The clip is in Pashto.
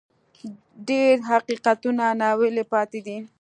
ډېر حقیقتونه ناویلي پاتې دي.